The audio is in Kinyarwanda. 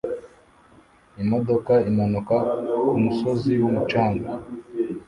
imodoka imanuka kumusozi wumucanga